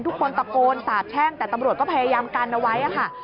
ทุกคนตะโกนสาบแช่งแต่ตำรวจก็พยายามกันเอาไว้ค่ะ